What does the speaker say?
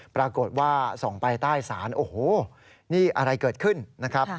ปรากฏว่าส่องไปใต้ศาลโอ้โหนี่อะไรเกิดขึ้นนะครับ